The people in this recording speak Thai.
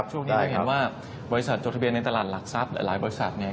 ช่วงนี้เราเห็นว่าบริษัทจดทะเบียนในตลาดหลักทรัพย์หลายบริษัทเนี่ย